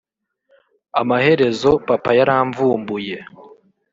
Amaherezo papa yaramvumbuye